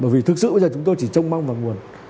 vì thực sự bây giờ chúng tôi chỉ trông mong vào nguồn